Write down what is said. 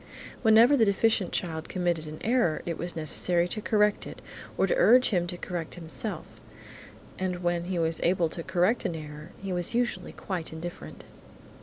Whenever the deficient child committed an error, it was necessary to correct it, or to urge him to correct it himself, and when he was able to correct an error he was usually quite indifferent.